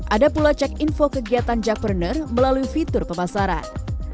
ada pula cek info kegiatan jakpreneur melalui fitur pemasaran